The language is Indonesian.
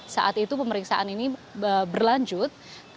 saat itu pemeriksaan ini berlanjut